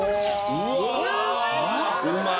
うわ！